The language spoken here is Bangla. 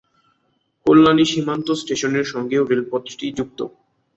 কল্যাণী সীমান্ত স্টেশনের সঙ্গেও রেলপথটি যুক্ত।